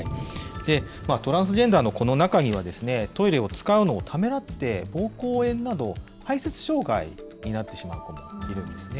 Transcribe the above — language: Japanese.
トランスジェンダーのこの中には、トイレを使うのをためらって、ぼうこう炎など、排せつ障害になってしまう子もいるんですね。